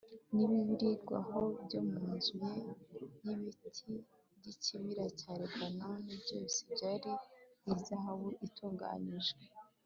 n’ibirirwaho byo mu nzu ye y’ibiti by’ikibira cya Lebanoni byose byari izahabu itunganyijwe